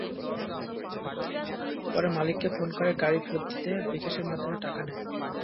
পরে মালিককে ফোন করে গাড়ি ফেরত দিতে বিকাশের মাধ্যমে টাকা নেয়।